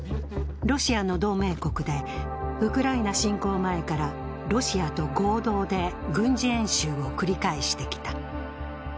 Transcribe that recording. ロシアの同盟国で、ウクライナ侵攻前からロシアと合同で軍事演習を繰り返してきた。